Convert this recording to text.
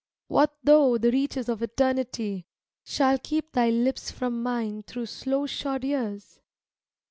What though the reaches of Eternity Shall keep thy lips from mine through slow shod years